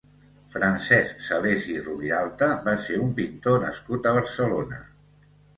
Francesc Salès i Roviralta va ser un pintor nascut a Barcelona.